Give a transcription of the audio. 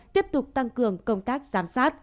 tiếp tục tăng cường công tác giám sát